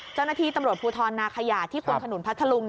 เจ้านาทีปุรุธพูทรนาคาหยาที่คุณขนุนพัทธรุง